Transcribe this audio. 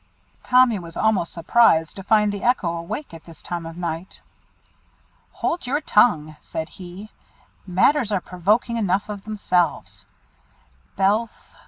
Tommy was almost surprised to find the echo awake at this time of night. "Hold your tongue!" said he. "Matters are provoking enough of themselves. Belf!